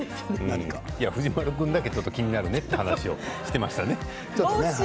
藤丸君だけ気になるねという話をしていましたね。